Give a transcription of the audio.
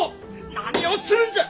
何をするんじゃ！